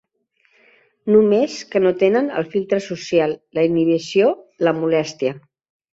Només, que no tenen el filtre social, la inhibició, la molèstia.